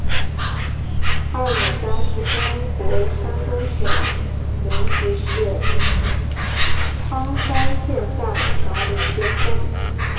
二庙乡是中国山东省临沂市苍山县下辖的一个乡。